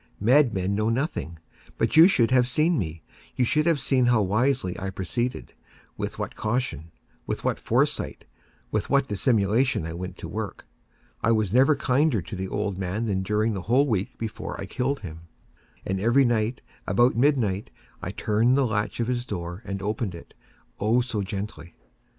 Madmen know nothing. But you should have seen me. You should have seen how wisely I proceeded—with what caution—with what foresight—with what dissimulation I went to work! I was never kinder to the old man than during the whole week before I killed him. And every night, about midnight, I turned the latch of his door and opened it—oh, so gently!